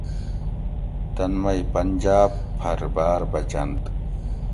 تن مئی پنجاب پھر باۤر بچنت